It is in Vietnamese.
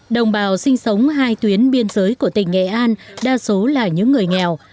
đồng bào sinh sống hai tuyến biên giới của tỉnh nghệ an đa số là những người nghèo